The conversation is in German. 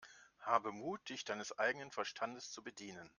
Habe Mut, dich deines eigenen Verstandes zu bedienen!